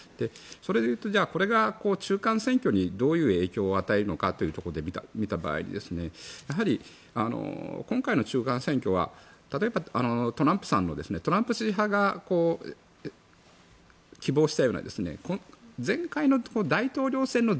それでいうとじゃあ、これが中間選挙にどういう影響を与えるのかというところで見た場合やはり今回の中間選挙は例えばトランプさんのトランプ支持派が希望したような前回の大統領選の